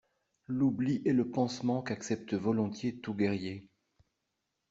L’oubli est le pansement qu’accepte volontiers tout guerrier.